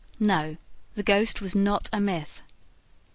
No, the ghost was not a myth!